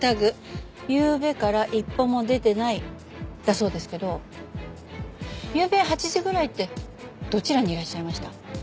昨夜から一歩も出てない」だそうですけどゆうべ８時ぐらいってどちらにいらっしゃいました？